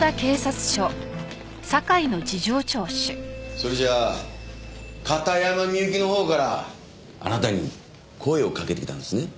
それじゃあ片山みゆきの方からあなたに声をかけてきたんですね？